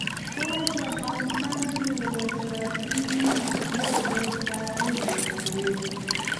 کله چې افغانستان کې ولسواکي وي یو بل ته غیږ ورکوو.